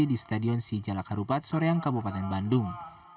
di stadion sijalak harupat soreang kabupaten bandung